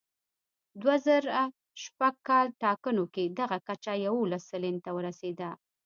دوه زره شپږ کال ټاکنو کې دغه کچه یوولس سلنې ته ورسېده.